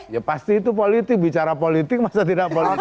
ya pasti itu politis bicara politik masa tidak politis